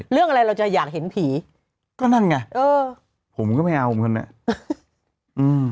เรื่องอะไรเราจะอยากเห็นผีก็นั่นไงเออผมก็ไม่เอาเหมือนกันเนี้ยอืม